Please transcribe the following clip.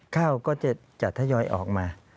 ข้าวก็จะทยอยออกมา